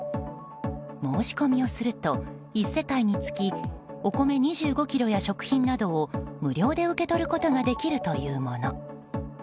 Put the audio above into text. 申し込みをすると１世帯につき、お米２５ｋｇや食品などを無料で受け取ることができるというもの。